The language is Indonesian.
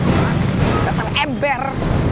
nggak sama ember